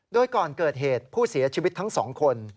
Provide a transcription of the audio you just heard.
โดยก่อนเกิดเหตุผู้เสียชีวิตทั้ง๒คน